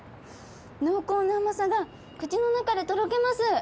濃厚な甘さが口の中でとろけます